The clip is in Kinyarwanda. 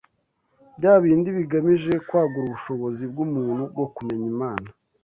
bya bindi bigamije kwagura ubushobozi bw’umuntu bwo kumenya Imana